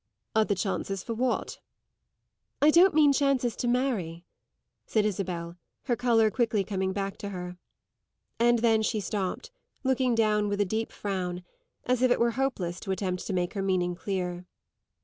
"Other chances for what?" "I don't mean chances to marry," said Isabel, her colour quickly coming back to her. And then she stopped, looking down with a deep frown, as if it were hopeless to attempt to make her meaning clear.